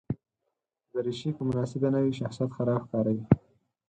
دریشي که مناسبه نه وي، شخصیت خراب ښکاروي.